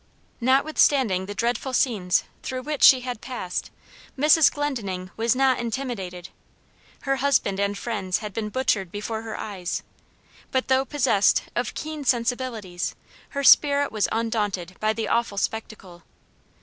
Notwithstanding the dreadful scenes through which she had passed, Mrs. Glendenning was not intimidated. Her husband and friends had been butchered before her eyes; but though possessed of keen sensibilities, her spirit was undaunted by the awful spectacle.